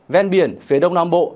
ven biển phía đông nam bộ